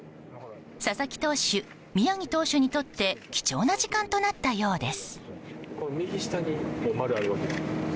佐々木投手、宮城投手にとって貴重な時間となったようです。